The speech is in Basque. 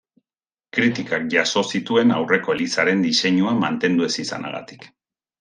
Kritikak jaso zituen aurreko elizaren diseinua mantendu ez izanagatik.